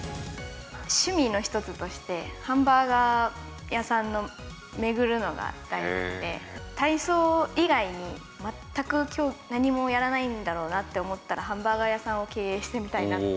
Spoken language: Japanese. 趣味の一つとして、ハンバーガー屋さんを巡るのが大好きで、体操以外に全く何もやらないんだろうなと思ったら、ハンバーガー屋さんを経営してみたいなって。